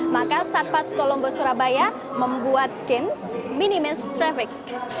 maka satpas kolombo surabaya membuat games minimis traffic